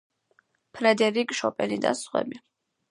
ფრედერიკ შოპენი და სხვები.